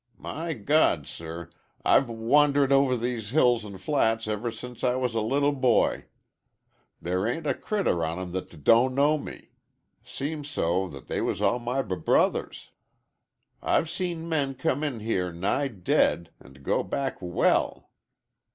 My God, sir, I've w wan dered over these hills an' flats ever since I was a little b boy. There ain't a critter on 'em that d don't know me. Seems so they was all my b brothers. I've seen men come in here nigh dead an' go back w well.